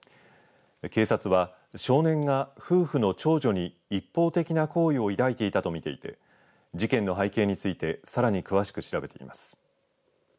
警察は、少年が夫婦の長女に一方的な好意を抱いていたと見ていて事件の背景についてさらに詳しく調べています。